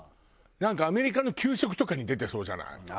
なんかアメリカの給食とかに出てそうじゃない？